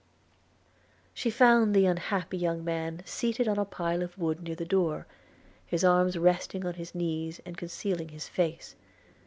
She found the unhappy young man seated on a pile of wood near the door, his arms resting on his knees and concealing his face.